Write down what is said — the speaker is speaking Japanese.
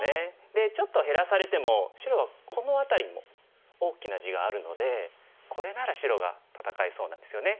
でちょっと減らされても白はこの辺りにも大きな地があるのでこれなら白が戦えそうなんですよね。